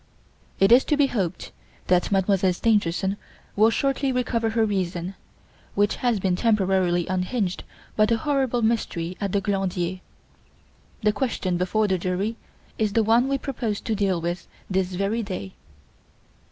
It is to be hoped that Mademoiselle Stangerson will shortly recover her reason, which has been temporarily unhinged by the horrible mystery at the Glandier. The question before the jury is the one we propose to deal with this very day.